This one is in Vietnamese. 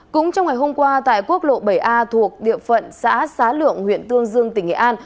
cũng trong ngày hôm qua tại quốc lộ bảy a thuộc địa phận xã xá lượng huyện tương dương tỉnh nghệ an